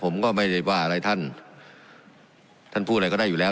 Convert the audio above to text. ผมก็ไม่ได้ว่าอะไรท่านท่านพูดอะไรก็ได้อยู่แล้ว